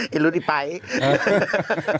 หิวรุดอย่างไอ๊ไป